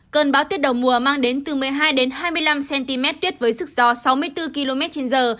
cơn bão tuyết đầu mùa mang đến từ một mươi hai hai mươi năm cm tuyết với sức gió sáu mươi bốn km trên giờ